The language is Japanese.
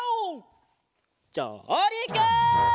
じょうりく！